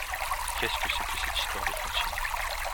Qu’est-ce que c’est que cette histoire de Fantine ?